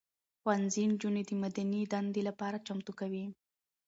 ښوونځي نجونې د مدني دندې لپاره چمتو کوي.